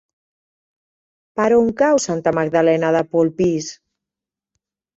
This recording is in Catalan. Per on cau Santa Magdalena de Polpís?